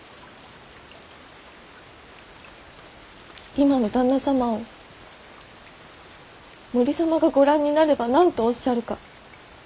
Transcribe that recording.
今の旦那様を森様がご覧になれば何とおっしゃるか。